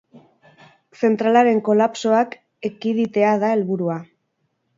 Zentralaren kolapsoak ekiditea da helburua.